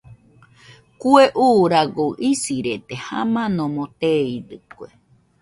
Kue uuragoɨ isirede, jamanomo teidɨkue.